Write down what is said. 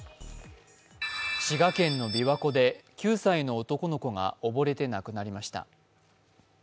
滋賀県の琵琶湖で９歳の男の子が溺れて亡くなりました。